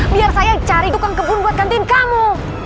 biar saya cari tukang kebun buat kantin kamu